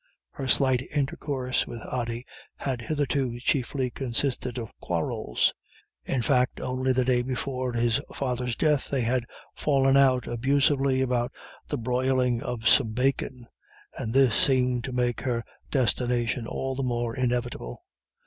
Her slight intercourse with Ody had hitherto chiefly consisted of quarrels. In fact, only the day before his father's death, they had fallen out abusively about the broiling of some bacon, and this seemed to make her destination all the more inevitable.